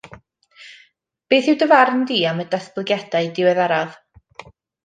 Beth yw dy farn di am y datblygiadau diweddaraf?